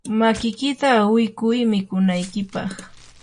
makiykita awikuy mikunaykipaq.